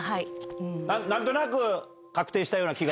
何となく確定したような気が。